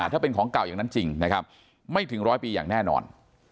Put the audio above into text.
ถ้าเป็นของเก่าอย่างนั้นจริงนะครับไม่ถึงร้อยปีอย่างแน่นอน